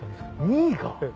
２位が？